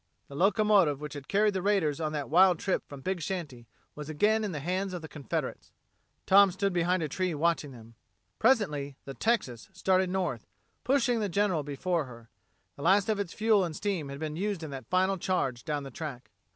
The locomotive which had carried the raiders on that wild trip from Big Shanty was again in the hands of the Confederates. Tom stood behind a tree watching them. Presently the Texas started north, pushing the General before her. The last of its fuel and steam had been used in that final charge down the track.